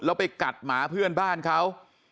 แล้วไปกัดหมาเพื่อนบ้านเขา